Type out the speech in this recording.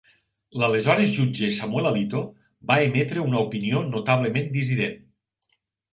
L'aleshores jutge Samuel Alito va emetre una opinió notablement dissident.